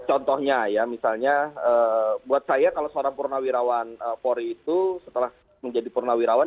contohnya ya misalnya buat saya kalau seorang purnawirawan polri itu setelah menjadi purnawirawan